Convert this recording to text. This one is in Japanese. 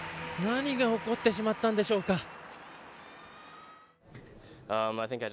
何が起こってしまったんでしょうか。